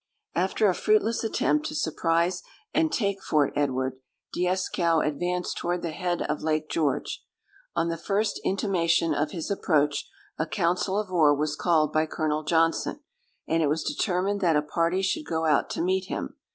After a fruitless attempt to surprise and take Fort Edward, Dieskau advanced toward the head of Lake George. On the first intimation of his approach, a council of war was called by Colonel Johnson, and it was determined that a party should go out to meet him.